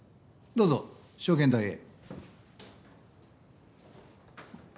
どうぞ証言台へ。